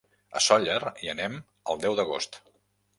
A Sóller hi anem el deu d'agost.